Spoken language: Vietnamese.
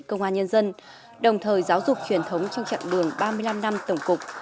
công an nhân dân đồng thời giáo dục truyền thống trong chặng đường ba mươi năm năm tổng cục